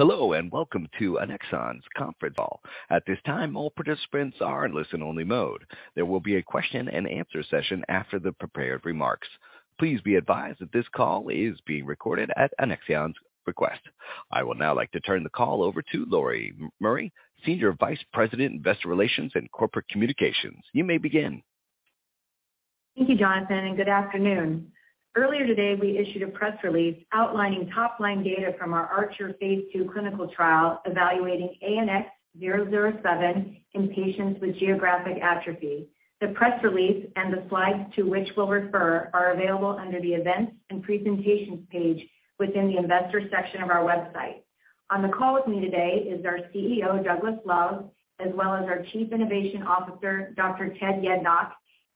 Hello, welcome to Annexon's Conference Call. At this time, all participants are in listen-only mode. There will be a question-and-answer session after the prepared remarks. Please be advised that this call is being recorded at Annexon's request. I will now like to turn the call over to Lori Murray, Senior Vice President, Investor Relations and Corporate Communications. You may begin. Thank you, Jonathan. Good afternoon. Earlier today, we issued a press release outlining top-line data from our ARCHER Phase 2 clinical trial evaluating ANX007 in patients with geographic atrophy. The press release and the slides to which we'll refer are available under the Events and Presentations page within the Investor section of our website. On the call with me today is our CEO, Douglas Love, as well as our Chief Innovation Officer, Dr. Ted Yednock,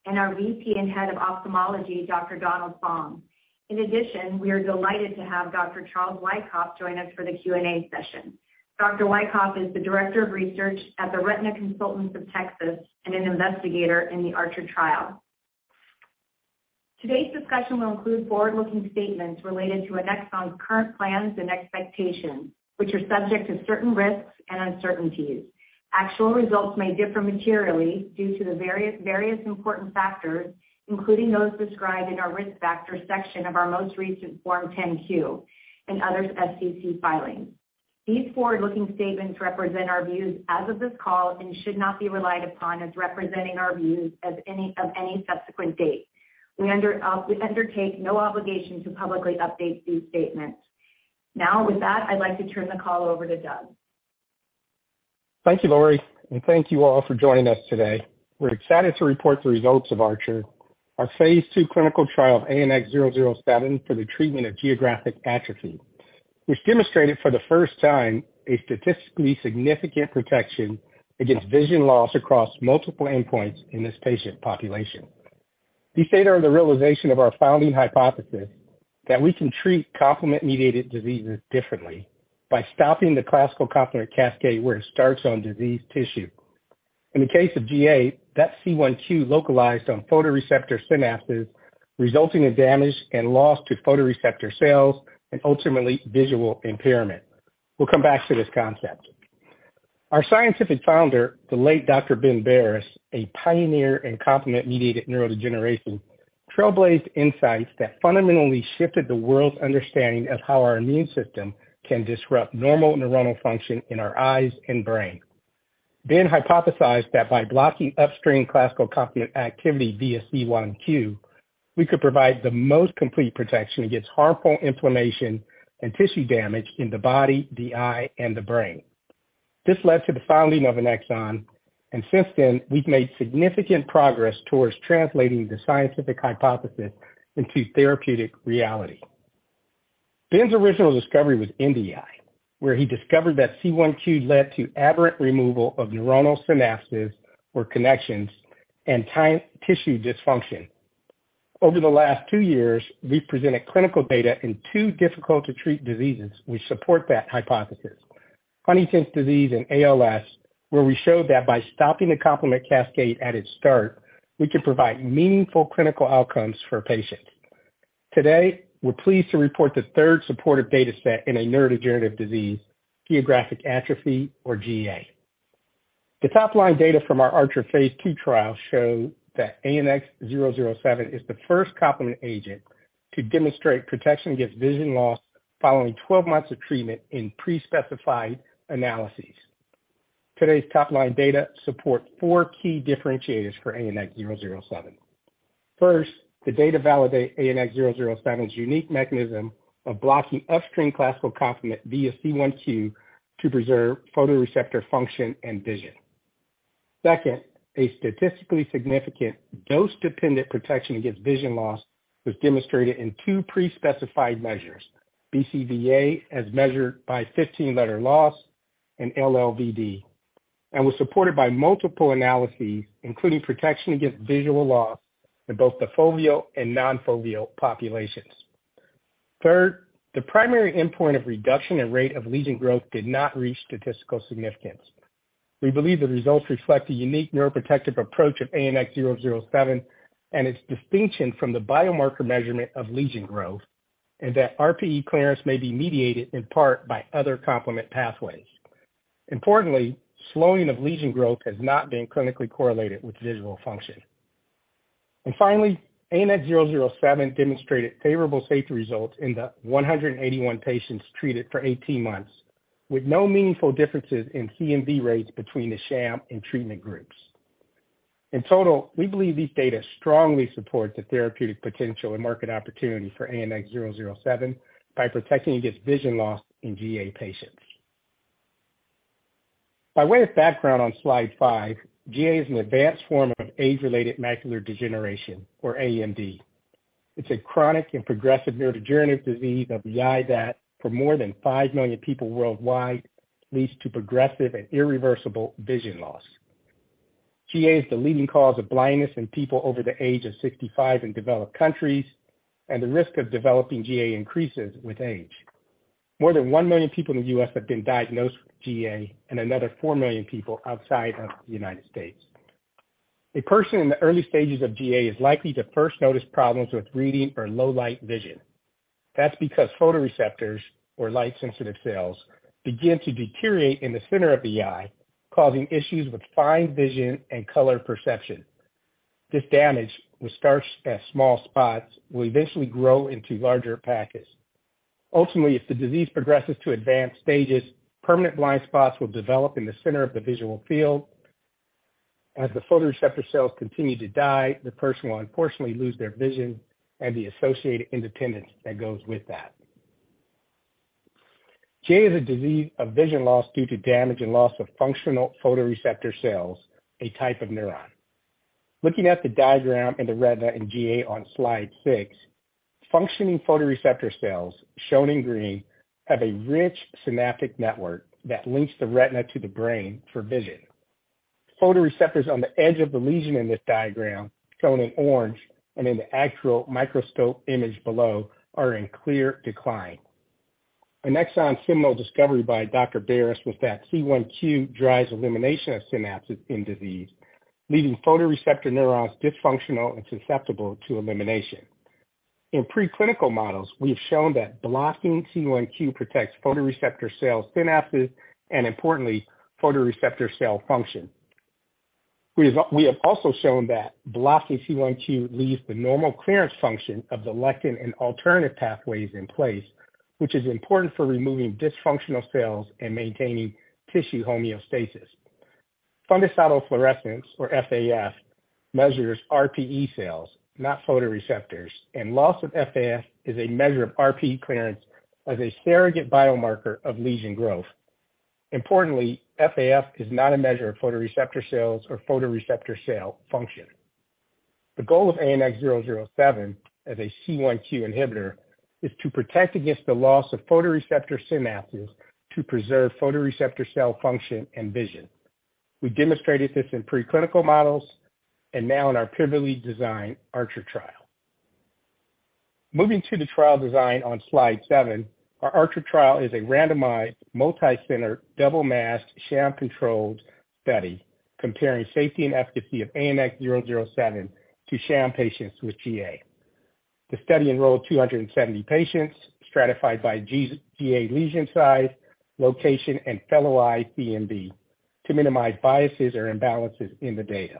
and our VP and Head of Ophthalmology, Dr. Donald Baum. In addition, we are delighted to have Dr. Charles Wyckoff join us for the Q&A session. Dr. Wyckoff is the Director of Research at the Retina Consultants of Texas and an investigator in the ARCHER trial. Today's discussion will include forward-looking statements related to Annexon's current plans and expectations, which are subject to certain risks and uncertainties. Actual results may differ materially due to the various important factors, including those described in our Risk Factors section of our most recent Form 10-Q and other SEC filings. These forward-looking statements represent our views as of this call and should not be relied upon as representing our views as of any subsequent date. We undertake no obligation to publicly update these statements. Now with that, I'd like to turn the call over to Doug. Thank you, Lori. Thank you all for joining us today. We're excited to report the results of ARCHER, our Phase 2 clinical trial of ANX007 for the treatment of geographic atrophy, which demonstrated for the first time a statistically significant protection against vision loss across multiple endpoints in this patient population. These data are the realization of our founding hypothesis that we can treat complement-mediated diseases differently by stopping the classical complement cascade where it starts on diseased tissue. In the case of GA, that's C1q localized on photoreceptor synapses, resulting in damage and loss to photoreceptor cells and ultimately visual impairment. We'll come back to this concept. Our scientific founder, the late Dr. Ben Barres, a pioneer in complement-mediated neurodegeneration, trailblazed insights that fundamentally shifted the world's understanding of how our immune system can disrupt normal neuronal function in our eyes and brain. Ben hypothesized that by blocking upstream classical complement activity via C1q, we could provide the most complete protection against harmful inflammation and tissue damage in the body, the eye, and the brain. This led to the founding of Annexon, and since then, we've made significant progress towards translating the scientific hypothesis into therapeutic reality. Ben's original discovery was in the eye, where he discovered that C1q led to aberrant removal of neuronal synapses or connections and tissue dysfunction. Over the last 2 years, we've presented clinical data in 2 difficult-to-treat diseases which support that hypothesis. Huntington's disease and ALS, where we showed that by stopping the complement cascade at its start, we can provide meaningful clinical outcomes for patients. Today, we're pleased to report the third supportive data set in a neurodegenerative disease, geographic atrophy or GA. The top-line data from our ARCHER Phase 2 trial show that ANX007 is the first complement agent to demonstrate protection against vision loss following 12 months of treatment in pre-specified analyses. Today's top-line data support four key differentiators for ANX007. First, the data validate ANX007's unique mechanism of blocking upstream classical complement via C1q to preserve photoreceptor function and vision. Second, a statistically significant dose-dependent protection against vision loss was demonstrated in two pre-specified measures, BCVA, as measured by 15-letter loss, and LLVD, and was supported by multiple analyses, including protection against visual loss in both the foveal and non-foveal populations. Third, the primary endpoint of reduction and rate of lesion growth did not reach statistical significance. We believe the results reflect the unique neuroprotective approach of ANX007 and its distinction from the biomarker measurement of lesion growth, that RPE clearance may be mediated in part by other complement pathways. Importantly, slowing of lesion growth has not been clinically correlated with visual function. Finally, ANX007 demonstrated favorable safety results in the 181 patients treated for 18 months, with no meaningful differences in CNV rates between the sham and treatment groups. In total, we believe these data strongly support the therapeutic potential and market opportunity for ANX007 by protecting against vision loss in GA patients. By way of background on slide 5, GA is an advanced form of age-related macular degeneration, or AMD. It's a chronic and progressive neurodegenerative disease of the eye that, for more than 5 million people worldwide, leads to progressive and irreversible vision loss. GA is the leading cause of blindness in people over the age of 65 in developed countries, and the risk of developing GA increases with age. More than 1 million people in the U.S. have been diagnosed with GA, and another 4 million people outside of the United States. A person in the early stages of GA is likely to first notice problems with reading or low light vision. That's because photoreceptors or light-sensitive cells begin to deteriorate in the center of the eye, causing issues with fine vision and color perception. This damage, which starts as small spots, will eventually grow into larger patches. Ultimately, if the disease progresses to advanced stages, permanent blind spots will develop in the center of the visual field. As the photoreceptor cells continue to die, the person will unfortunately lose their vision and the associated independence that goes with that. GA is a disease of vision loss due to damage and loss of functional photoreceptor cells, a type of neuron. Looking at the diagram in the retina in GA on slide 6, functioning photoreceptor cells, shown in green, have a rich synaptic network that links the retina to the brain for vision. Photoreceptors on the edge of the lesion in this diagram, shown in orange and in the actual microscope image below, are in clear decline. Annexon's seminal discovery by Dr. Barres was that C1q drives elimination of synapses in disease, leaving photoreceptor neurons dysfunctional and susceptible to elimination. In preclinical models, we have shown that blocking C1q protects photoreceptor cells synapses, and importantly, photoreceptor cell function. We have also shown that blocking C1q leaves the normal clearance function of the lectin and alternative pathway in place, which is important for removing dysfunctional cells and maintaining tissue homeostasis. Fundus autofluorescence, or FAF, measures RPE cells, not photoreceptor, and loss of FAF is a measure of RPE clearance as a surrogate biomarker of lesion growth. Importantly, FAF is not a measure of photoreceptor cells or photoreceptor cell function. The goal of ANX007 as a C1q inhibitor is to protect against the loss of photoreceptor synapses to preserve photoreceptor cell function and vision. We demonstrated this in preclinical models and now in our pivotally designed ARCHER trial. Moving to the trial design on slide 7. Our ARCHER trial is a randomized, multicenter, double masked, sham-controlled study comparing safety and efficacy of ANX007 to sham patients with GA. The study enrolled 270 patients stratified by GA lesion size, location, and fellow eye CNV to minimize biases or imbalances in the data.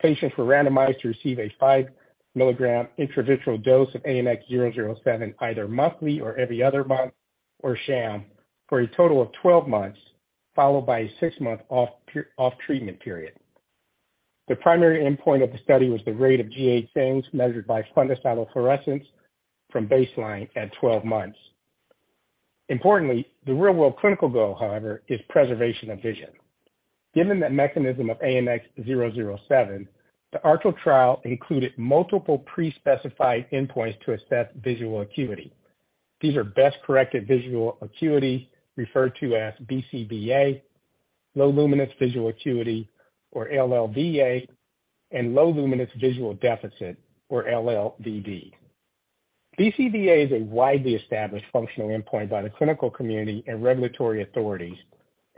Patients were randomized to receive a 5-milligram intravitreal dose of ANX007, either monthly or every other month, or sham for a total of 12 months, followed by a 6-month off-treatment period. The primary endpoint of the study was the rate of GA things measured by fundus autofluorescence from baseline at 12 months. Importantly, the real-world clinical goal, however, is preservation of vision. Given the mechanism of ANX007, the ARCHER trial included multiple pre-specified endpoints to assess visual acuity. These are best corrected visual acuity, referred to as BCVA, low luminance visual acuity, or LLVA, and low luminance visual deficit, or LLVD. BCVA is a widely established functional endpoint by the clinical community and regulatory authorities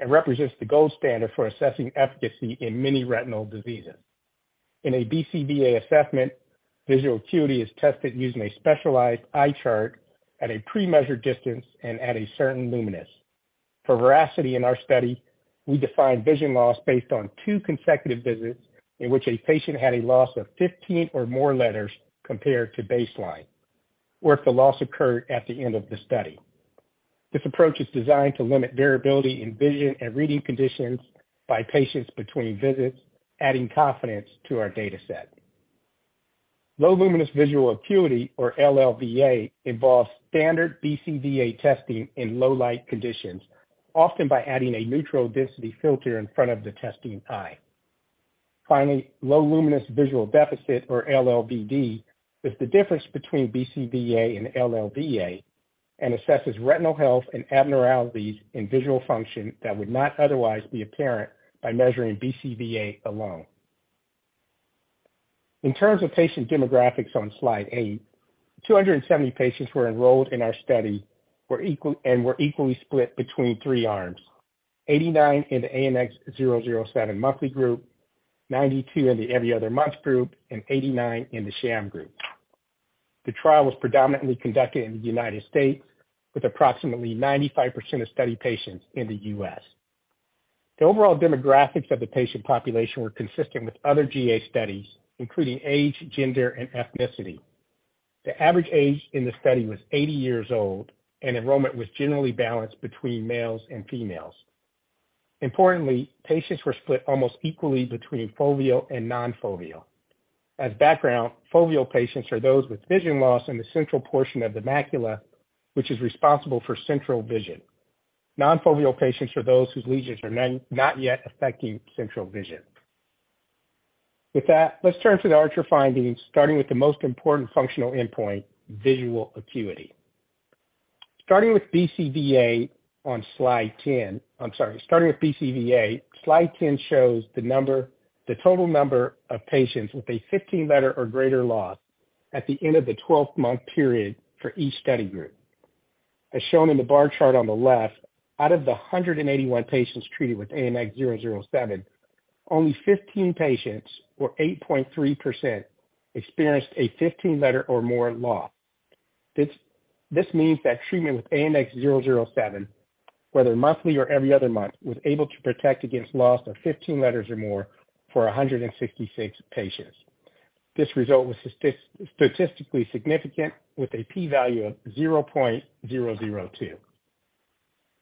and represents the gold standard for assessing efficacy in many retinal diseases. In a BCVA assessment, visual acuity is tested using a specialized eye chart at a pre-measured distance and at a certain luminance. For veracity in our study, we defined vision loss based on two consecutive visits in which a patient had a loss of 15 or more letters compared to baseline, or if the loss occurred at the end of the study. This approach is designed to limit variability in vision and reading conditions by patients between visits, adding confidence to our data set. Low luminance visual acuity, or LLVA, involves standard BCVA testing in low light conditions, often by adding a neutral density filter in front of the testing eye. Finally, low luminance visual deficit, or LLVD, is the difference between BCVA and LLVA and assesses retinal health and abnormalities in visual function that would not otherwise be apparent by measuring BCVA alone. In terms of patient demographics on slide 8, 270 patients were enrolled in our study were equally split between 3 arms. 89 in the ANX007 monthly group, 92 in the every other month group, and 89 in the sham group. The trial was predominantly conducted in the United States, with approximately 95% of study patients in the U.S. The overall demographics of the patient population were consistent with other GA studies, including age, gender, and ethnicity. The average age in the study was 80 years old, and enrollment was generally balanced between males and females. Importantly, patients were split almost equally between foveal and non-foveal. As background, foveal patients are those with vision loss in the central portion of the macula, which is responsible for central vision. Non-foveal patients are those whose lesions are not yet affecting central vision. With that, let's turn to the ARCHER findings, starting with the most important functional endpoint, visual acuity. Starting with BCVA on slide 10. I'm sorry. Starting with BCVA, slide 10 shows the total number of patients with a 15 letter or greater loss at the end of the 12-month period for each study group. As shown in the bar chart on the left, out of the 181 patients treated with ANX007, only 15 patients, or 8.3%, experienced a 15 letter or more loss. This means that treatment with ANX007, whether monthly or every other month, was able to protect against loss of 15 letters or more for 166 patients. This result was statistically significant with a P value of 0.002.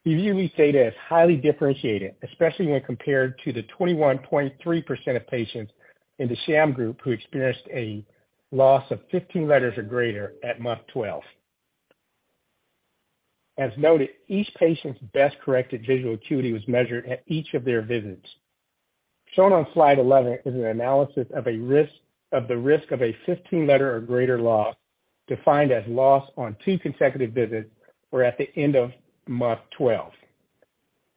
We view these data as highly differentiated, especially when compared to the 21.3% of patients in the sham group who experienced a loss of 15 letters or greater at month 12. As noted, each patient's best corrected visual acuity was measured at each of their visits. Shown on slide 11 is an analysis of a risk, of the risk of a 15 letter or greater loss, defined as loss on 2 consecutive visits or at the end of month 12.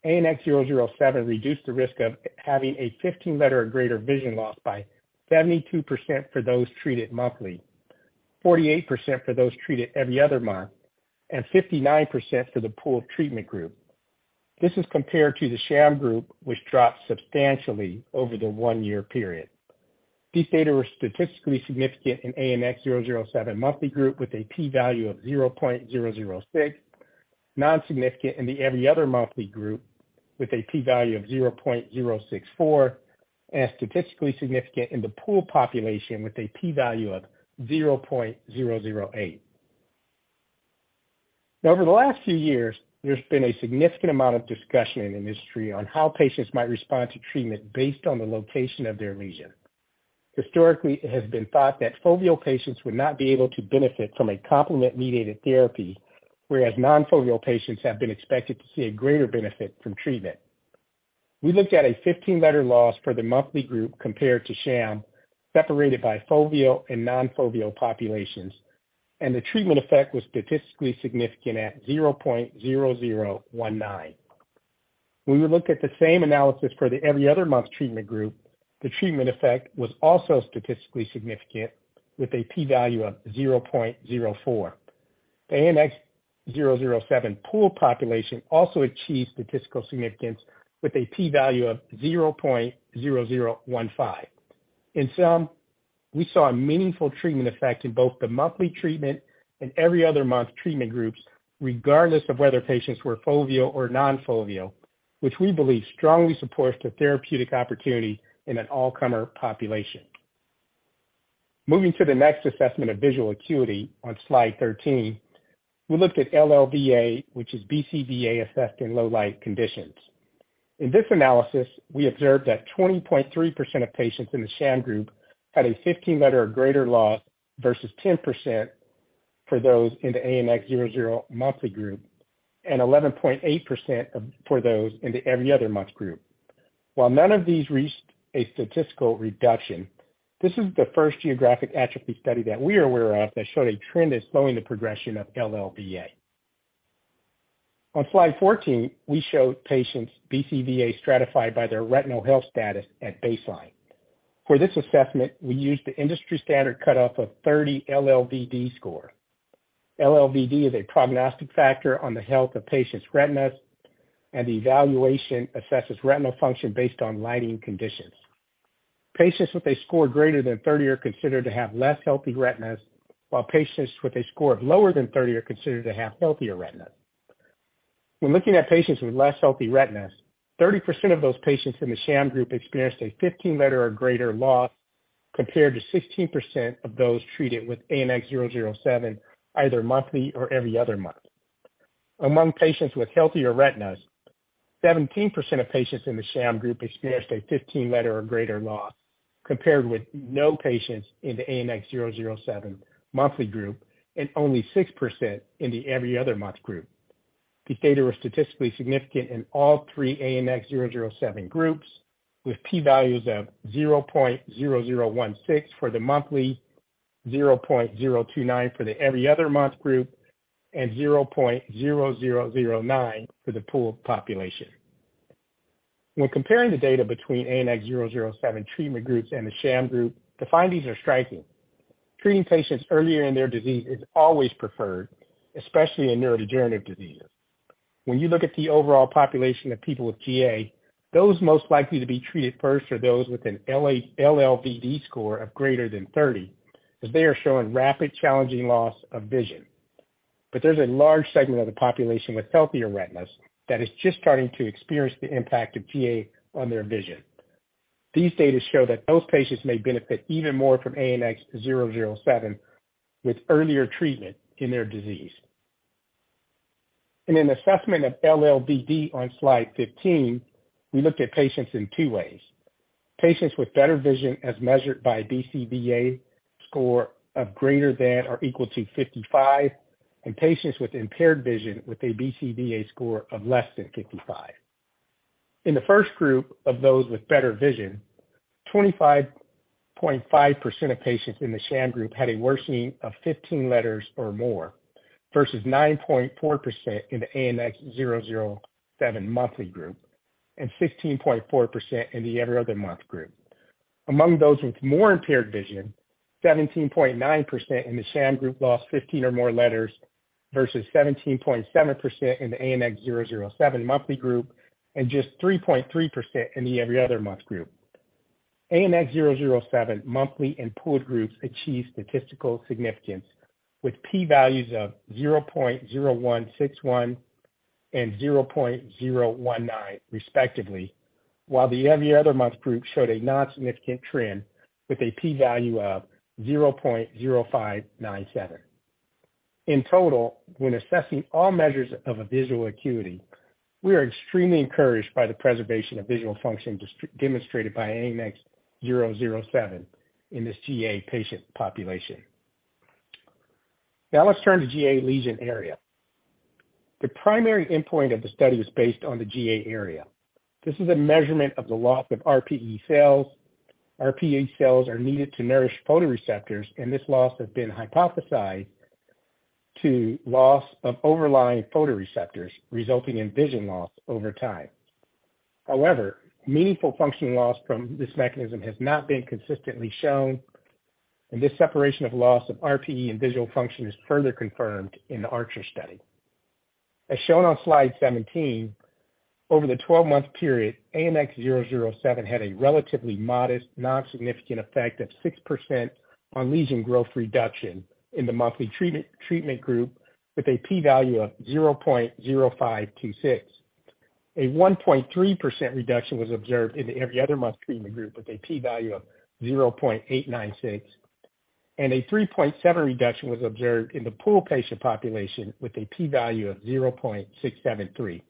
ANX007 reduced the risk of having a 15 letter or greater vision loss by 72% for those treated monthly, 48% for those treated every other month, and 59% for the pool of treatment group. This is compared to the sham group, which dropped substantially over the one-year period. These data were statistically significant in ANX007 monthly group with a P value of 0.006, non-significant in the every other monthly group with a P value of 0.064, and statistically significant in the pool population with a P value of 0.008. Over the last few years, there's been a significant amount of discussion in the industry on how patients might respond to treatment based on the location of their lesion. Historically, it has been thought that foveal patients would not be able to benefit from a complement-mediated therapy, whereas non-foveal patients have been expected to see a greater benefit from treatment. We looked at a 15 letter loss for the monthly group compared to sham, separated by foveal and non-foveal populations, and the treatment effect was statistically significant at 0.0019. When we look at the same analysis for the every other month treatment group, the treatment effect was also statistically significant with a P value of 0.04. The ANX007 pool population also achieved statistical significance with a P value of 0.0015. We saw a meaningful treatment effect in both the monthly treatment and every other month treatment groups, regardless of whether patients were foveal or non-foveal, which we believe strongly supports the therapeutic opportunity in an all-comer population. Moving to the next assessment of visual acuity on slide 13, we looked at LLVA, which is BCVA assessed in low light conditions. In this analysis, we observed that 20.3% of patients in the sham group had a 15 letter or greater loss versus 10% for those in the ANX007 monthly group and 11.8% for those in the every other month group. None of these reached a statistical reduction, this is the first geographic atrophy study that we are aware of that showed a trend in slowing the progression of LLVA. On slide 14, we showed patients BCVA stratified by their retinal health status at baseline. For this assessment, we used the industry standard cutoff of 30 LLVD score. LLVD is a prognostic factor on the health of patients' retinas, and the evaluation assesses retinal function based on lighting conditions. Patients with a score greater than 30 are considered to have less healthy retinas, while patients with a score of lower than 30 are considered to have healthier retinas. When looking at patients with less healthy retinas, 30% of those patients in the sham group experienced a 15 letter or greater loss, compared to 16% of those treated with ANX007 either monthly or every other month. Among patients with healthier retinas, 17% of patients in the sham group experienced a 15 letter or greater loss, compared with no patients in the ANX007 monthly group and only 6% in the every other month group. These data were statistically significant in all three ANX007 groups, with P values of 0.0016 for the monthly, 0.029 for the every other month group, and 0.0009 for the pool population. Comparing the data between ANX007 treatment groups and the sham group, the findings are striking. Treating patients earlier in their disease is always preferred, especially in neurodegenerative diseases. When you look at the overall population of people with GA, those most likely to be treated first are those with an LLVD score of greater than 30, as they are showing rapid, challenging loss of vision. There's a large segment of the population with healthier retinas that is just starting to experience the impact of GA on their vision. These data show that those patients may benefit even more from ANX-007 with earlier treatment in their disease. In an assessment of LLVD on slide 15, we looked at patients in 2 ways. Patients with better vision as measured by BCVA score of greater than or equal to 55, and patients with impaired vision with a BCVA score of less than 55. In the first group of those with better vision, 25.5% of patients in the sham group had a worsening of 15 letters or more, versus 9.4% in the ANX007 monthly group and 16.4% in the every other month group. Among those with more impaired vision, 17.9% in the sham group lost 15 or more letters, versus 17.7% in the ANX007 monthly group and just 3.3% in the every other month group. ANX007 monthly and pooled groups achieved statistical significance with P values of 0.0161 and 0.019 respectively. While the every other month group showed a non-significant trend with a P-value of 0.0597. In total, when assessing all measures of a visual acuity, we are extremely encouraged by the preservation of visual function demonstrated by ANX007 in this GA patient population. Let's turn to GA lesion area. The primary endpoint of the study is based on the GA area. This is a measurement of the loss of RPE cells. RPE cells are needed to nourish photoreceptors, this loss has been hypothesized to loss of overlying photoreceptors, resulting in vision loss over time. However, meaningful function loss from this mechanism has not been consistently shown, this separation of loss of RPE and visual function is further confirmed in the ARCHER study. As shown on slide 17, over the 12-month period, ANX007 had a relatively modest, non-significant effect of 6% on lesion growth reduction in the monthly treatment group with a P-value of 0.0526. 1.3% reduction was observed in the every other month treatment group with a P-value of 0.896. 3.7% reduction was observed in the pool patient population with a P-value of 0.673.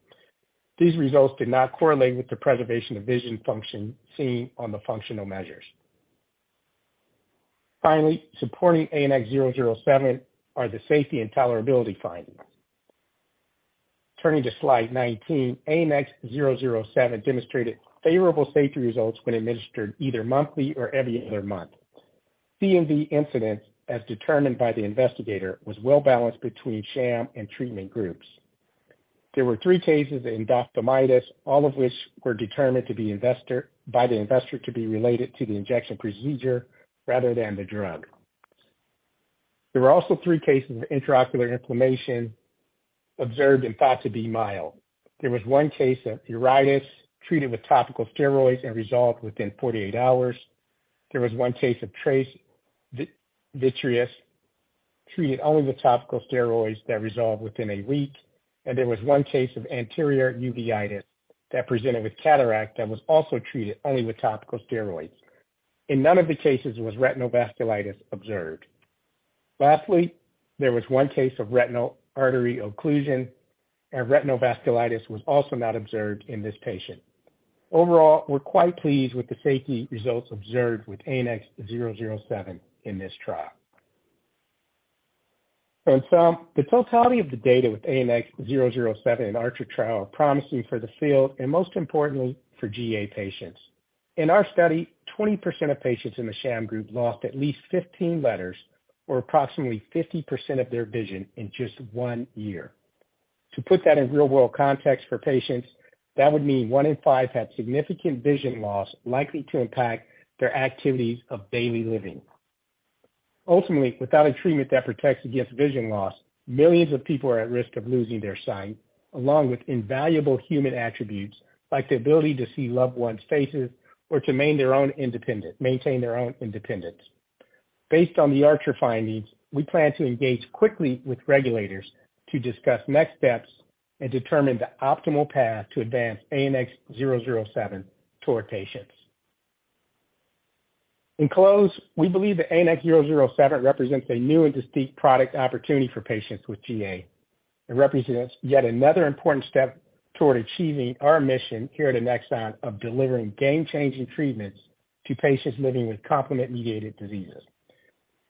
These results did not correlate with the preservation of vision function seen on the functional measures. Finally, supporting ANX007 are the safety and tolerability findings. Turning to slide 19, ANX007 demonstrated favorable safety results when administered either monthly or every other month. CNV incidents, as determined by the investigator, was well balanced between sham and treatment groups. There were 3 cases of endophthalmitis, all of which were determined to be by the investigator to be related to the injection procedure rather than the drug. There were also 3 cases of intraocular inflammation observed and thought to be mild. There was 1 case of uveitis treated with topical steroids and resolved within 48 hours. There was 1 case of trace vitreous treated only with topical steroids that resolved within a week, and there was 1 case of anterior uveitis that presented with cataract that was also treated only with topical steroids. In none of the cases was retinal vasculitis observed. There was 1 case of retinal artery occlusion, and retinal vasculitis was also not observed in this patient. Overall, we're quite pleased with the safety results observed with ANX007 in this trial. In sum, the totality of the data with ANX007 in ARCHER trial are promising for the field and most importantly for GA patients. In our study, 20% of patients in the sham group lost at least 15 letters or approximately 50% of their vision in just 1 year. To put that in real-world context for patients, that would mean 1 in 5 had significant vision loss likely to impact their activities of daily living. Ultimately, without a treatment that protects against vision loss, millions of people are at risk of losing their sight, along with invaluable human attributes like the ability to see loved ones' faces or to maintain their own independence. Based on the ARCHER findings, we plan to engage quickly with regulators to discuss next steps and determine the optimal path to advance ANX007 to our patients. In close, we believe that ANX007 represents a new and distinct product opportunity for patients with GA. It represents yet another important step toward achieving our mission here at Annexon of delivering game-changing treatments to patients living with complement-mediated diseases.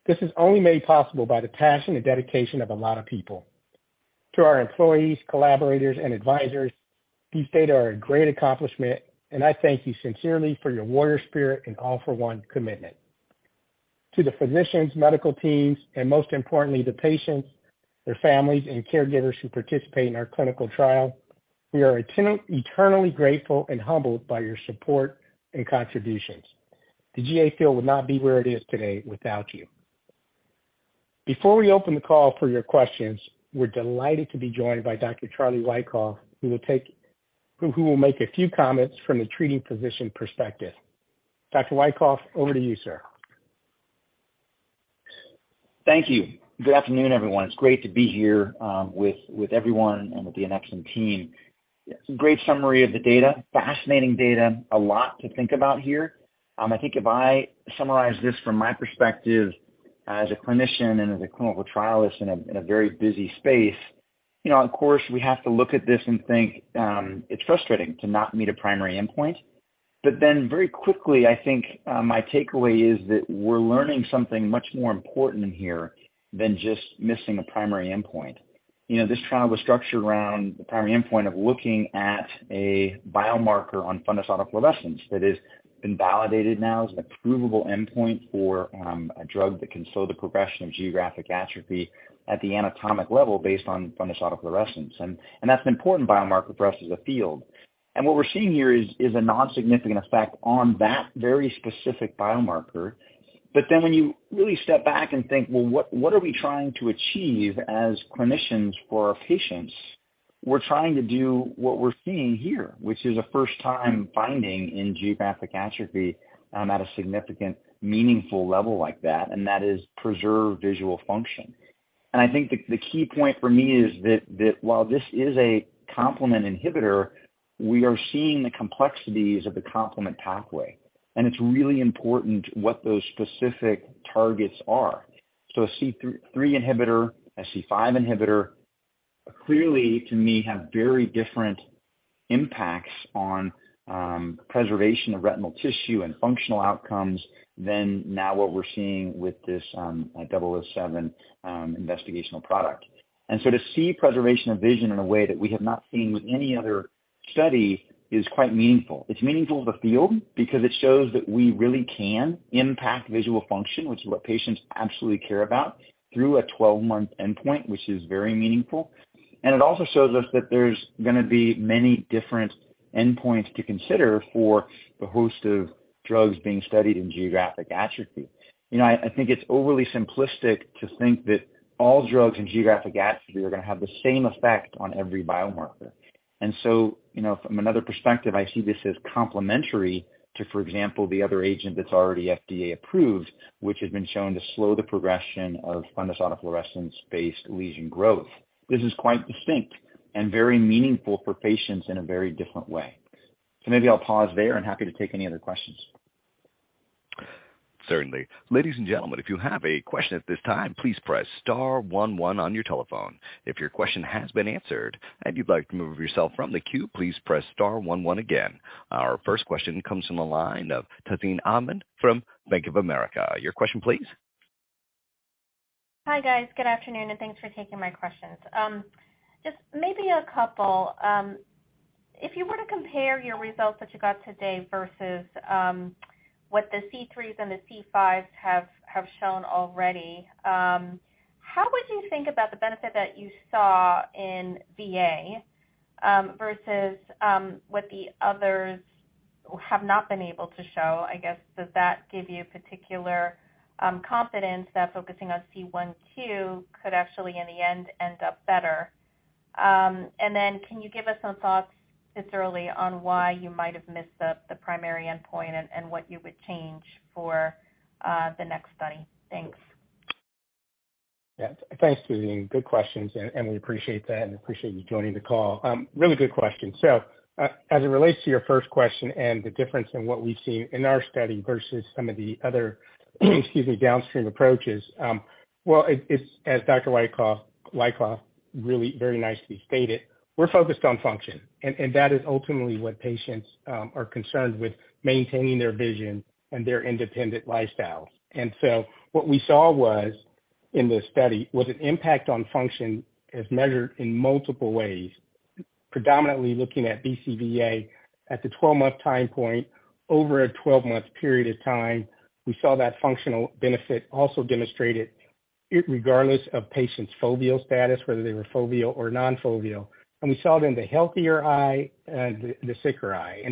This is only made possible by the passion and dedication of a lot of people. To our employees, collaborators, and advisors, these data are a great accomplishment, and I thank you sincerely for your warrior spirit and all for one commitment. To the physicians, medical teams, and most importantly, the patients, their families, and caregivers who participate in our clinical trial, we are eternally grateful and humbled by your support and contributions. The GA field would not be where it is today without you. Before we open the call for your questions, we're delighted to be joined by Dr. Charlie Wyckoff, who will make a few comments from the treating physician perspective. Dr. Wyckoff, over to you, sir. Thank you. Good afternoon, everyone. It's great to be here with everyone and with the Annexon team. Great summary of the data. Fascinating data, a lot to think about here. I think if I summarize this from my perspective as a clinician and as a clinical trialist in a very busy space of course, we have to look at this and think, it's frustrating to not meet a primary endpoint. Very quickly, I think, my takeaway is that we're learning something much more important here than just missing a primary endpoint. This trial was structured around the primary endpoint of looking at a biomarker on fundus autofluorescence that has been validated now as a provable endpoint for a drug that can slow the progression of geographic atrophy at the anatomic level based on fundus autofluorescence. That's an important biomarker for us as a field. What we're seeing here is a non-significant effect on that very specific biomarker. When you really step back and think, well, what are we trying to achieve as clinicians for our patients? We're trying to do what we're seeing here, which is a first time finding in geographic atrophy, at a significant, meaningful level like that, and that is preserve visual function. I think the key point for me is that while this is a complement inhibitor, we are seeing the complexities of the complement pathway. It's really important what those specific targets are. A C3 inhibitor, a C5 inhibitor, clearly to me, have very different impacts on preservation of retinal tissue and functional outcomes than now what we're seeing with this 007 investigational product. To see preservation of vision in a way that we have not seen with any other study is quite meaningful. It's meaningful to the field because it shows that we really can impact visual function, which is what patients absolutely care about, through a 12-month endpoint, which is very meaningful. It also shows us that there's gonna be many different endpoints to consider for the host of drugs being studied in geographic atrophy. It's overly simplistic to think that all drugs in geographic atrophy are gonna have the same effect on every biomarker. From another perspective, I see this as complementary to, for example, the other agent that's already FDA approved, which has been shown to slow the progression of fundus autofluorescence-based lesion growth. This is quite distinct and very meaningful for patients in a very different way. Maybe I'll pause there. I'm happy to take any other questions. Certainly. Ladies and gentlemen, if you have a question at this time, please press star one one on your telephone. If your question has been answered and you'd like to remove yourself from the queue, please press star one one again. Our first question comes from the line of Tazeen Ahmad from Bank of America. Your question please. Hi, guys. Good afternoon, and thanks for taking my questions. Just maybe a couple. If you were to compare your results that you got today versus what the C3s and the C5s have shown already, how would you think about the benefit that you saw in VA versus what the others have not been able to show? I guess, does that give you particular confidence that focusing on C1q could actually in the end end up better? Can you give us some thoughts this early on why you might have missed the primary endpoint and what you would change for the next study? Thanks. Yeah. Thanks, Tazeen. Good questions. We appreciate that and appreciate you joining the call. Really good question. As it relates to your first question and the difference in what we've seen in our study versus some of the other, excuse me, downstream approaches, well, it's as Dr. Wyckoff really very nicely stated, we're focused on function, and that is ultimately what patients are concerned with maintaining their vision and their independent lifestyles. What we saw was, in this study, was an impact on function as measured in multiple ways, predominantly looking at BCVA at the 12-month time point. Over a 12-month period of time, we saw that functional benefit also demonstrated irregardless of patients' foveal status, whether they were foveal or non-foveal. We saw it in the healthier eye and the sicker eye.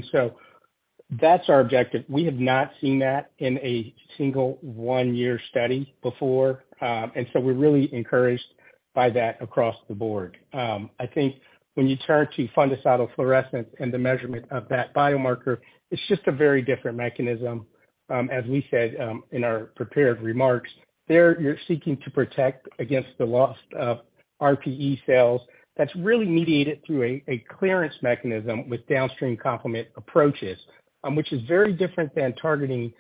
That's our objective. We have not seen that in a single one-year study before. We're really encouraged by that across the board. I think when you turn to fundus autofluorescence and the measurement of that biomarker, it's just a very different mechanism, as we said, in our prepared remarks. There, you're seeking to protect against the loss of RPE cells that's really mediated through a clearance mechanism with downstream complement approaches, which is very different than targeting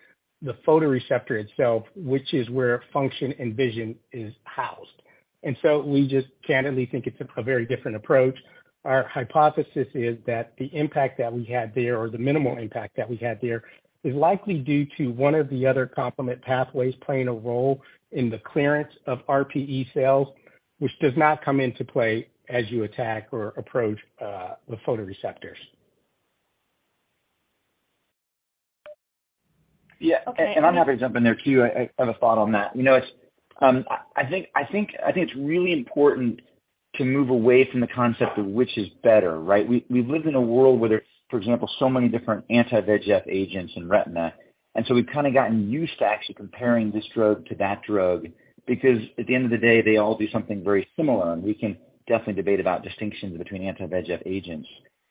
the photoreceptor itself, which is where function and vision is housed. We just candidly think it's a very different approach. Our hypothesis is that the impact that we had there or the minimal impact that we had there is likely due to 1 of the other complement pathways playing a role in the clearance of RPE cells, which does not come into play as you attack or approach the photoreceptors. Yeah. Okay. I'm happy to jump in there too. I have a thought on that. It's really important to move away from the concept of which is better, right? We live in a world where there's, for example, so many different anti-VEGF agents in retina, and so we've kinda gotten used to actually comparing this drug to that drug because at the end of the day, they all do something very similar, and we can definitely debate about distinctions between anti-VEGF agents.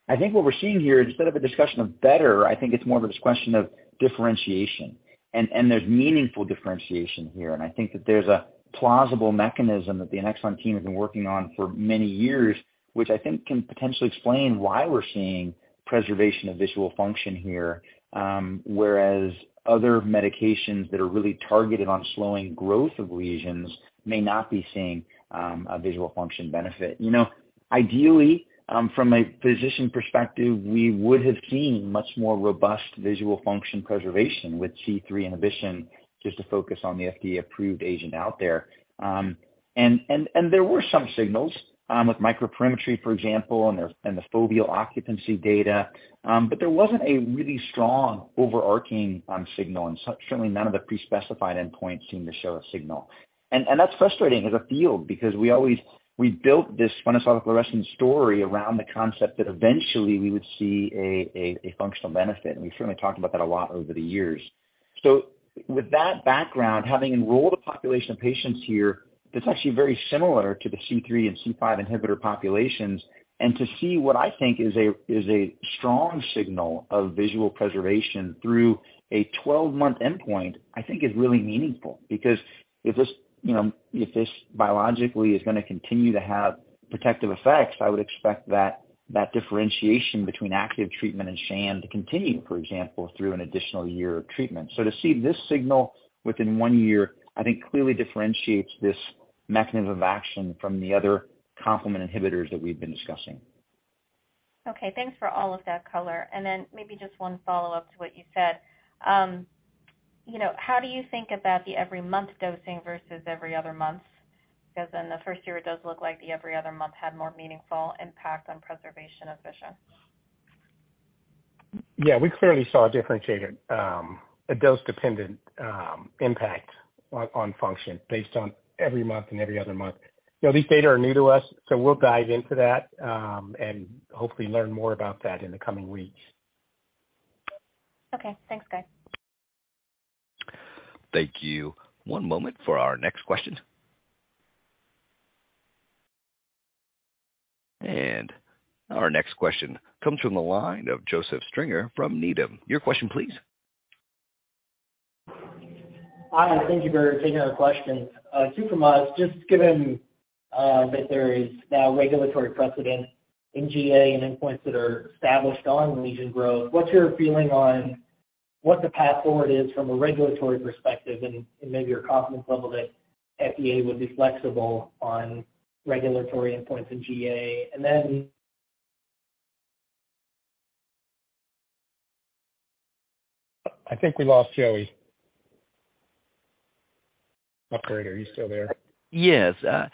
I think what we're seeing here, instead of a discussion of better, I think it's more of this question of differentiation. There's meaningful differentiation here, and I think that there's a plausible mechanism that the Annexon team has been working on for many years, which I think can potentially explain why we're seeing preservation of visual function here, whereas other medications that are really targeted on slowing growth of lesions may not be seeing a visual function benefit. Ideally, from a physician perspective, we would have seen much more robust visual function preservation with C3 inhibition, just to focus on the FDA-approved agent out there. There were some signals with microperimetry, for example, and the and the foveal occupancy data, but there wasn't a really strong overarching signal, and certainly none of the pre-specified endpoints seemed to show a signal. That's frustrating as a field because we built this fundus autofluorescence story around the concept that eventually we would see a functional benefit, and we've certainly talked about that a lot over the years. With that background, having enrolled a population of patients here that's actually very similar to the C3 and C5 inhibitor populations, and to see what I think is a, is a strong signal of visual preservation through a 12-month endpoint, I think is really meaningful. Because if this if this biologically is gonna continue to have protective effects, I would expect that differentiation between active treatment and sham to continue, for example, through an additional one year of treatment. To see this signal within 1 year, I think clearly differentiates this mechanism of action from the other complement inhibitors that we've been discussing. Okay, thanks for all of that color. Maybe just 1 follow-up to what you said. How do you think about the every month dosing versus every other month? In the 1st year, it does look like the every other month had more meaningful impact on preservation of vision. Yeah. We clearly saw a differentiated, a dose-dependent, impact on function based on every month and every other month. These data are new to us, so we'll dive into that, and hopefully learn more about that in the coming weeks. Okay. Thanks, guys. Thank you. One moment for our next question. Our next question comes from the line of Joseph Stringer from Needham. Your question please. Hi, thank you for taking our question. Two from us, just given that there is now regulatory precedent in GA and endpoints that are established on lesion growth, what's your feeling on what the path forward is from a regulatory perspective and maybe your confidence level that FDA would be flexible on regulatory endpoints in GA? I think we lost Joseph. Operator, are you still there? Yeah. I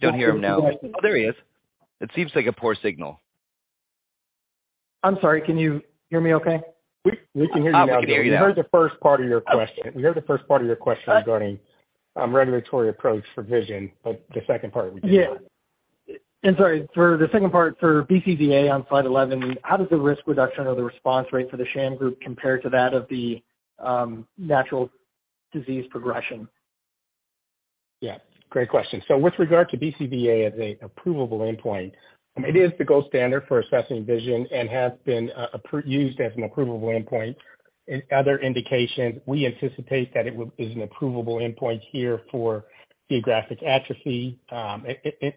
don't hear him now. Oh, there he is. It seems like a poor signal. I'm sorry. Can you hear me okay? We can hear you now. I can hear you now. We heard the first part of your question regarding regulatory approach for vision. The second part we didn't. Sorry, for the second part, for BCVA on slide 11, how does the risk reduction or the response rate for the sham group compare to that of the natural disease progression? Yeah, great question. With regard to BCVA as an approvable endpoint, it is the gold standard for assessing vision and has been used as an approvable endpoint in other indications. We anticipate that it is an approvable endpoint here for geographic atrophy.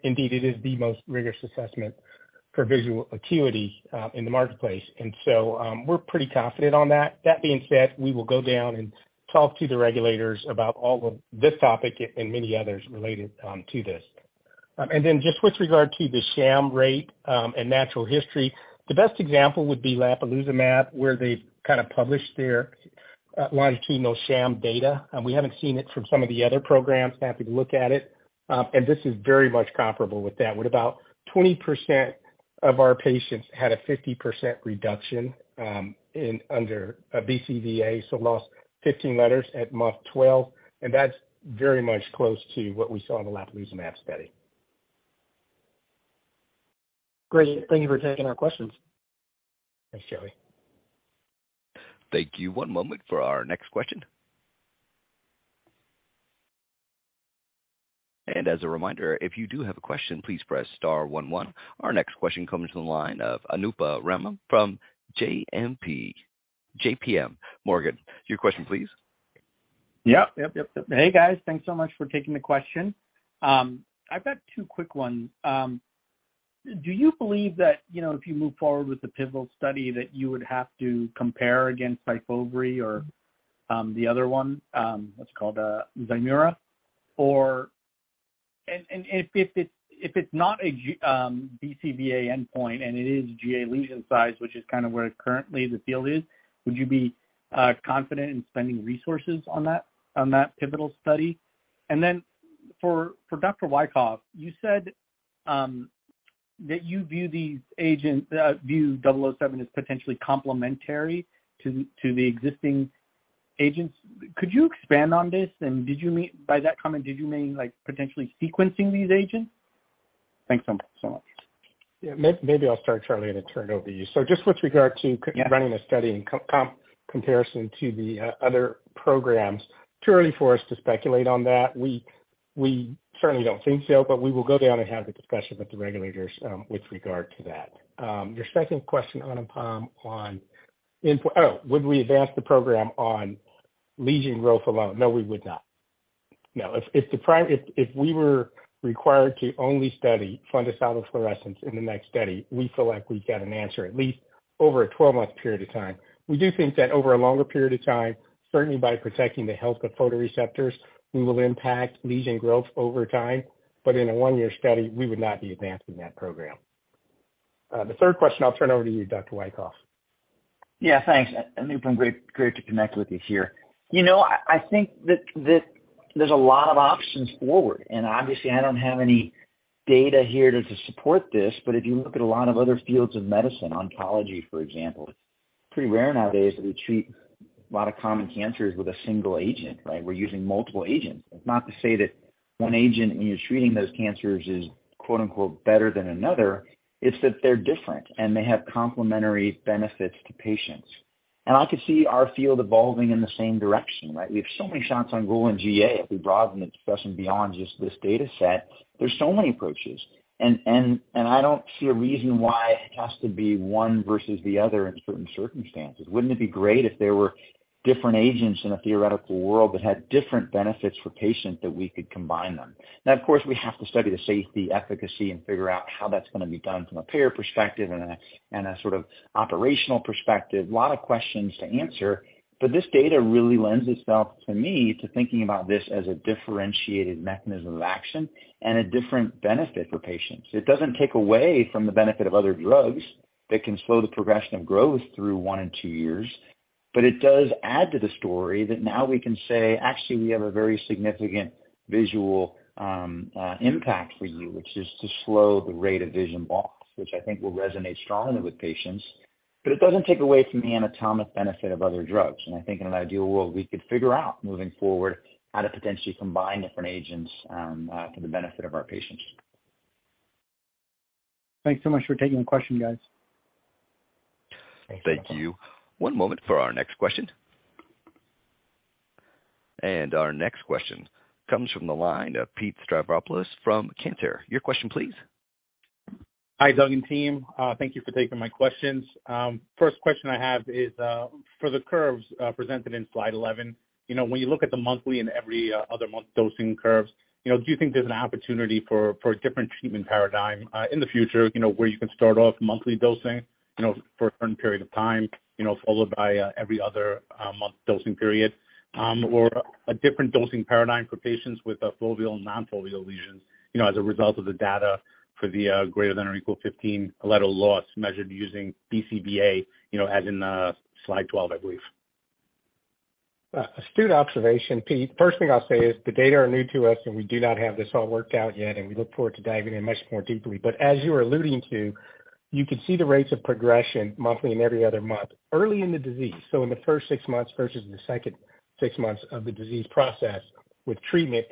Indeed, it is the most rigorous assessment for visual acuity in the marketplace. We're pretty confident on that. That being said, we will go down and talk to the regulators about all of this topic and many others related to this. Just with regard to the sham rate and natural history, the best example would be lampalizumab, where they've kinda published their longitudinal sham data. We haven't seen it from some of the other programs. Happy to look at it. This is very much comparable with that, with about 20% of our patients had a 50% reduction, in under BCVA, so lost 15 letters at month 12, and that's very much close to what we saw in the lampalizumab study. Great. Thank you for taking our questions. Thanks, Joey. Thank you. One moment for our next question. As a reminder, if you do have a question, please press star one one. Our next question comes from the line of Anupam Rama from JPMorgan. Your question please. Hey, guys. Thanks so much for taking the question. I've got TWO quick ones. Do you believe that if you move forward with the pivotal study, that you would have to compare against SYFOVRE or IZERVAY? If it's not a BCVA endpoint and it is GA lesion size, which is kind of where currently the field is, would you be confident in spending resources on that pivotal study? For Dr. Wyckoff, you said that you view these agents, view ANX007 as potentially complementary to the existing agents. Could you expand on this? By that comment, did you mean, like, potentially sequencing these agents? Thanks so much. Yeah. Maybe I'll start, Charlie, and then turn it over to you. Just with regard to running a study in comparison to the other programs, too early for us to speculate on that. We certainly don't think so, but we will go down and have the discussion with the regulators, with regard to that. Your second question, Anupam, Oh, would we advance the program on lesion growth alone? No, we would not. No. If we were required to only study fundus autofluorescence in the next study, we feel like we've got an answer at least over a 12-month period of time. We do think that over a longer period of time, certainly by protecting the health of photoreceptors, we will impact lesion growth over time. In a one-year study, we would not be advancing that program. The third question, I'll turn over to you, Dr. Wyckoff. Thanks. Anupam, great to connect with you here. That there's a lot of options forward, and obviously I don't have any data here to support this, but if you look at a lot of other fields of medicine, oncology, for example, it's pretty rare nowadays that we treat A lot of common cancers with a single agent, right? We're using multiple agents. It's not to say that one agent when you're treating those cancers is quote-unquote better than another. It's that they're different, and they have complementary benefits to patients. I could see our field evolving in the same direction, right? We have so many shots on goal in GA as we broaden the discussion beyond just this data set. There's so many approaches. I don't see a reason why it has to be one versus the other in certain circumstances. Wouldn't it be great if there were different agents in a theoretical world that had different benefits for patients that we could combine them? Of course, we have to study the safety, efficacy and figure out how that's gonna be done from a payer perspective and a sort of operational perspective. A lot of questions to answer, this data really lends itself to me to thinking about this as a differentiated mechanism of action and a different benefit for patients. It doesn't take away from the benefit of other drugs that can slow the progression of growth through one and two years. It does add to the story that now we can say, actually, we have a very significant visual impact for you, which is to slow the rate of vision loss, which I think will resonate strongly with patients. It doesn't take away from the anatomic benefit of other drugs. I think in an ideal world, we could figure out moving forward how to potentially combine different agents for the benefit of our patients. Thanks so much for taking the question, guys. Thanks. Thank you. One moment for our next question. Our next question comes from the line of Pete Stavropoulos from Cantor Fitzgerald. Your question please. Hi, Doug and team. Thank you for taking my questions. First question I have is for the curves presented in slide 11. When you look at the monthly and every other month dosing curves, do you think there's an opportunity for a different treatment paradigm in the future where you can start off monthly dosing for a certain period of time followed by every other month dosing period? Or a different dosing paradigm for patients with a foveal and non-foveal lesions as a result of the data for the greater than or equal 15 letter loss measured using BCVA as in slide 12, I believe. Astute observation, Pete. First thing I'll say is the data are new to us, and we do not have this all worked out yet, and we look forward to diving in much more deeply. As you're alluding to, you could see the rates of progression monthly and every other month early in the disease. In the first six months versus the second six months of the disease process with treatment.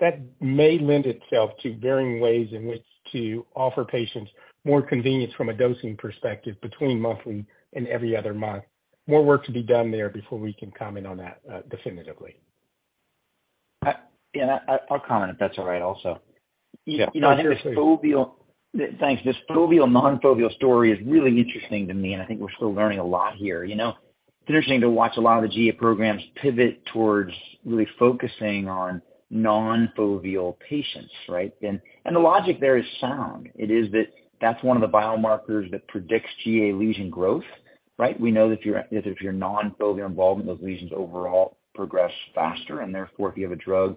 That may lend itself to varying ways in which to offer patients more convenience from a dosing perspective between monthly and every other month. More work to be done there before we can comment on that definitively. I'll comment if that's all right, also. No, sure. Please. This foveal. Thanks. This foveal, non-foveal story is really interesting to me, and I think we're still learning a lot here. It's interesting to watch a lot of the GA programs pivot towards really focusing on non-foveal patients, right? The logic there is sound. It is that that's one of the biomarkers that predicts GA lesion growth, right? We know that if you're non-foveal involvement, those lesions overall progress faster, and therefore, if you have a drug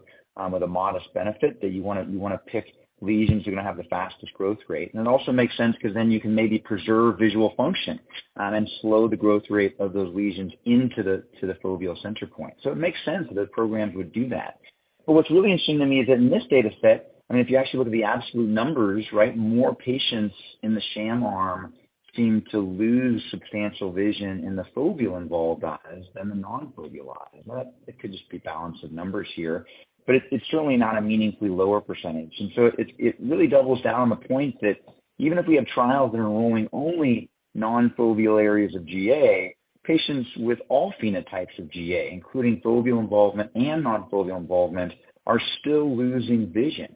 with a modest benefit that you wanna pick lesions that are gonna have the fastest growth rate. It also makes sense 'cause then you can maybe preserve visual function and slow the growth rate of those lesions into the foveal center point. It makes sense that programs would do that. What's really interesting to me is that in this data set, I mean, if you actually look at the absolute numbers, right, more patients in the sham arm seem to lose substantial vision in the foveal involved eyes than the non-foveal eyes. It could just be balance of numbers here. It's certainly not a meaningfully lower percentage. It really doubles down on the point that even if we have trials that are enrolling only non-foveal areas of GA, patients with all phenotypes of GA, including foveal involvement and non-foveal involvement, are still losing vision.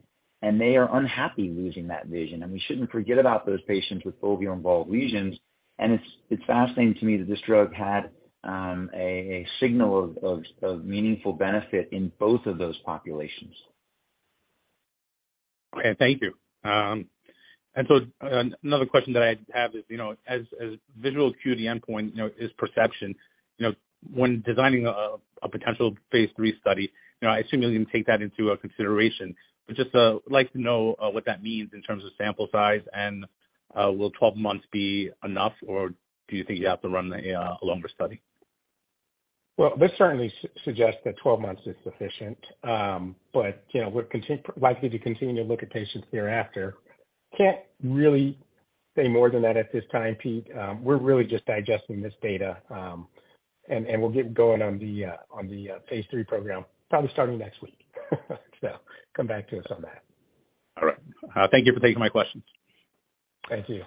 They are unhappy losing that vision, and we shouldn't forget about those patients with foveal involved lesions. It's fascinating to me that this drug had a signal of meaningful benefit in both of those populations. Okay. Thank you. Another question that I have is as visual acuity endpoint is perception. When designing a potential phase III study, I assume you're gonna take that into a consideration. Just like to know what that means in terms of sample size. Will 12 months be enough, or do you think you have to run a longer study? Well, this certainly suggests that 12 months is sufficient. We're likely to continue to look at patients thereafter. Can't really say more than that at this time, Pete. We're really just digesting this data. And we'll get going on the phase III program probably starting next week. Come back to us on that. All right. Thank you for taking my questions. Thank you.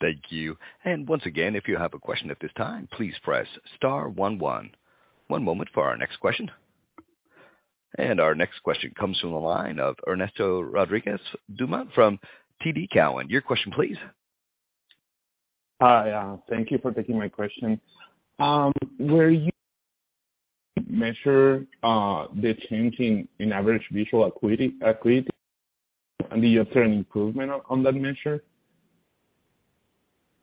Thank you. Once again, if you have a question at this time, please press star one one. One moment for our next question. Our next question comes from the line of Ernesto Rodriguez-Dumont from TD Cowen. Your question please. Hi. thank you for taking my question. were you measure the change in average visual acuity and the certain improvement on that measure?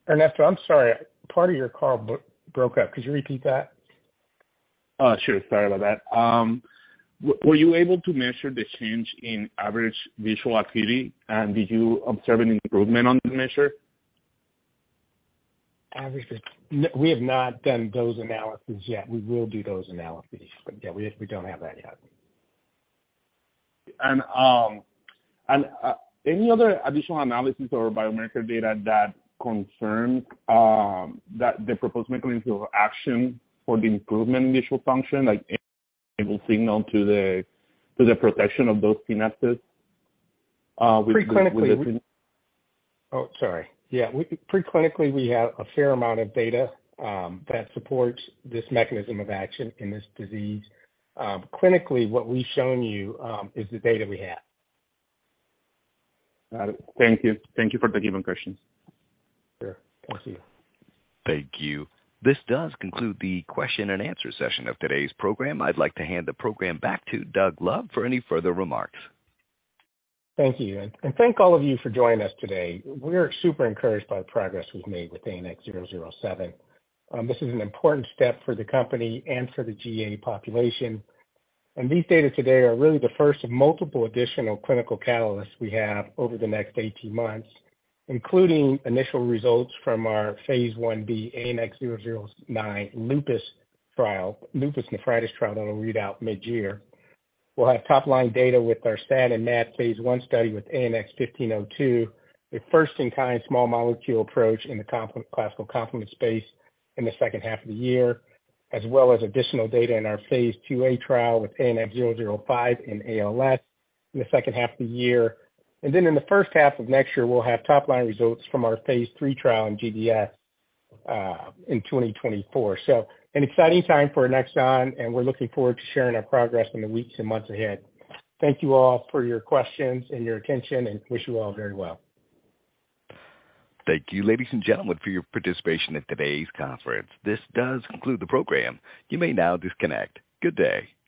Ernesto, I'm sorry. Part of your call broke up. Could you repeat that? Sure. Sorry about that. Were you able to measure the change in average visual acuity, and did you observe any improvement on the measure? We have not done those analyses yet. We will do those analyses. Yeah, we don't have that yet. Any other additional analysis or biomarker data that confirms that the proposed mechanism of action for the improvement initial function, like able signal to the protection of those synapses. Pre-clinically. Oh, sorry. Yeah, Pre-clinically, we have a fair amount of data, that supports this mechanism of action in this disease. Clinically, what we've shown you, is the data we have. Got it. Thank you. Thank you for taking my questions. Sure. Thank you. Thank you. This does conclude the question-and-answer session of today's program. I'd like to hand the program back to Doug Love for any further remarks. Thank you. Thank all of you for joining us today. We're super encouraged by the progress we've made with ANX007. This is an important step for the company and for the GA population. These data today are really the first of multiple additional clinical catalysts we have over the next 18 months, including initial results from our Phase 1b ANX009 lupus nephritis trial that will read out mid-year. We'll have top-line data with our SAD and MAD phase i study with ANX1502, a first-in-kind small molecule approach in the classical complement space in the second half of the year, as well as additional data in our phase 2a trial with ANX005 in ALS in the second half of the year. In the first half of next year, we'll have top-line results from our phase III trial in GBS in 2024. An exciting time for Annexon, and we're looking forward to sharing our progress in the weeks and months ahead. Thank you all for your questions and your attention and wish you all very well. Thank you, ladies and gentlemen, for your participation in today's conference. This does conclude the program. You may now disconnect. Good day.